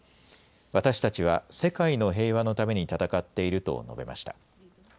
私たちは世界の平和のためにたたかっていると述べました。